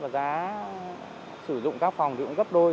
giá sử dụng các phòng cũng gấp đôi